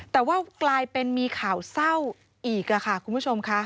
แต่ว่ากลายเป็นมีข่าวเศร้าอีกค่ะคุณผู้ชมค่ะ